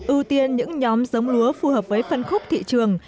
ưu tiên những nhóm giống lúa phù hợp với phân khúc thị trường